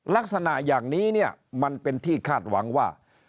ลักษณะอย่างนี้เนี่ยมันเป็นที่คาดหวังว่า